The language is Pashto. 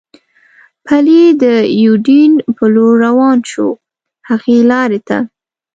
پلي د یوډین په لور روان شو، هغې لارې ته.